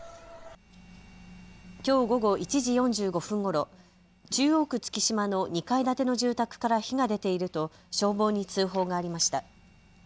きょう午後１時４５分ごろ中央区月島の２階建ての住宅から火が出ていると消防に通報がありました。